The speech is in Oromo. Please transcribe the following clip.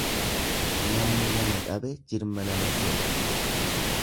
Namni nama dhabe jirma nama seya.